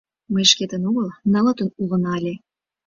Мый шкетын огыл, нылытын улына ыле.